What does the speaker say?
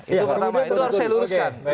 itu pertama itu harus saya luruskan